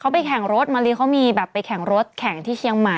เขาไปแข่งรถมาริเขามีแบบไปแข่งรถแข่งที่เชียงใหม่